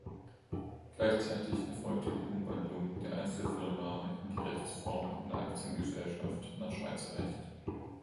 Gleichzeitig erfolgte die Umwandlung der Einzelfirma in die Rechtsform einer Aktiengesellschaft nach Schweizer Recht.